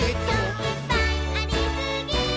「いっぱいありすぎー！！」